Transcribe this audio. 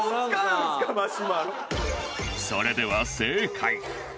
それでは正解